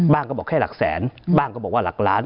ก็บอกแค่หลักแสนบ้างก็บอกว่าหลักล้าน